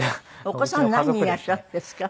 お子さん何人いらっしゃるんですか？